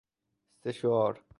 سشوار